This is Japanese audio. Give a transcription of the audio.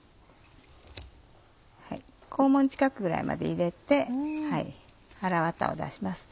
肛門近くぐらいまで入れて腹ワタを出します。